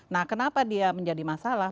nah kenapa dia menjadi masalah